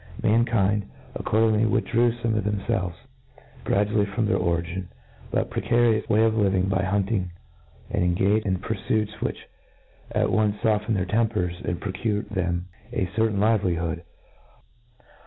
Mankind, accord ingly, withdrew themfelves gradually from their original, but precarious, way of livmg by hunt ing, and engaged in purfuits which at once foften ed their tempers, and procured them a certain livelihood.